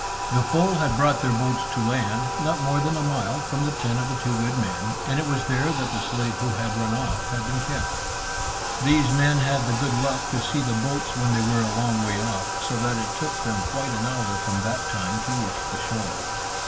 The foe had brought their boats to land, not more than a mile from the tent of the two good men, and it was there that the slave who had run off had been kept. These men had the good luck to see the boats when they were a long way off, so that it took them quite an hour from that time to reach the shore.